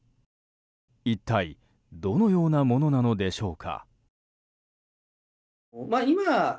一体どのようなものなのでしょうか。